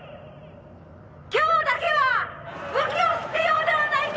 「今日だけは武器を捨てようではないか！」